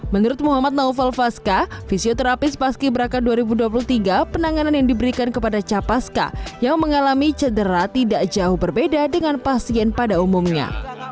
menurut muhammad naufal faska fisioterapis paski beraka dua ribu dua puluh tiga penanganan yang diberikan kepada capaska yang mengalami cedera tidak jauh berbeda dengan pasien pada umumnya